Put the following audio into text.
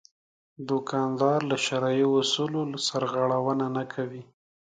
دوکاندار له شرعي اصولو سرغړونه نه کوي.